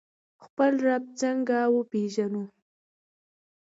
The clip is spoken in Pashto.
خپل رب څنګه وپیژنو؟